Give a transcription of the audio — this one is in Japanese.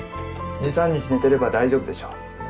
２３日寝てれば大丈夫でしょう。